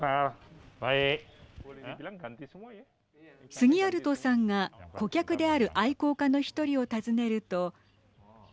スギアルトさんが顧客である愛好家の１人を訪ねると。